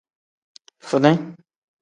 Fini.